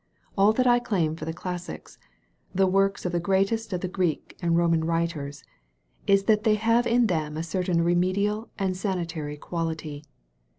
All that I claim for the classics — ^the wotks of the greatest of the Greek and Roman writers — is that they have in them a certain remedial and sanitary quality.